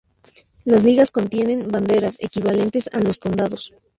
Las "ligas" contienen "banderas", equivalentes a los condados.